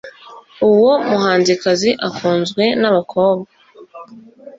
Uwo muhanzikazi akunzwe nabakobwa